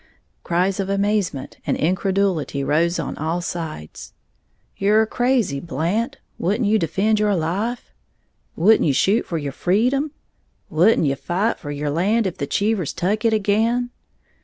Cries of amazement and incredulity rose on all sides. "You're crazy, Blant, wouldn't you defend your life?" "Wouldn't you shoot for your freedom?" "Wouldn't you fight for your land if the Cheevers tuck it again?"